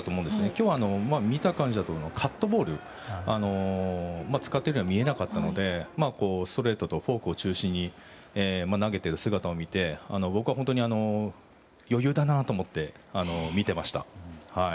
今日は見た感じだとカットボールを使ってるようには見えなかったのでストレートとフォークを中心に投げている姿を見て僕は余裕だなと思って見ていました。